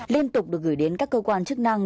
liên tục được gửi đến các cơ quan chức năng